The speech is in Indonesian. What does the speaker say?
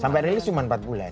sampai rilis cuma empat bulan